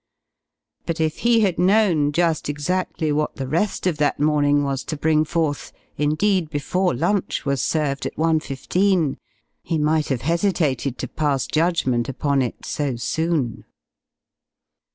But if he had known just exactly what the rest of that morning was to bring forth, indeed before lunch was served at one fifteen, he might have hesitated to pass judgment upon it so soon.